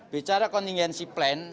bicara kontingensi plan